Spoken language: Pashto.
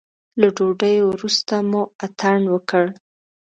له ډوډۍ وروسته مو اتڼ وکړ.